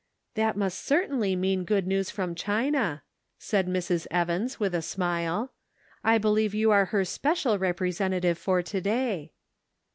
" That must certainly mean good news from China," said Mrs. Evans, with a smile; "I 490 The Pocket Measure. believe you are her special representative for to day."